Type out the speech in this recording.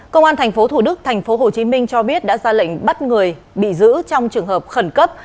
công an tp thủ đức tp hcm cho biết đã ra lệnh bắt người bị giữ trong trường hợp khẩn cấp